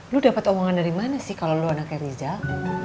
lu dapet uang dari mana sih kalo lu anaknya rizal